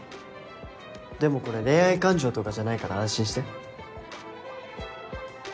でもこれ恋愛感情とかじゃないから安心して。